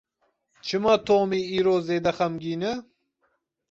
Çima Tomî îro zêde xemgîn e?